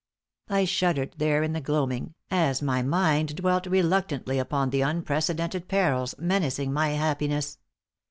I shuddered, there in the gloaming, as my mind dwelt reluctantly upon the unprecedented perils menacing my happiness.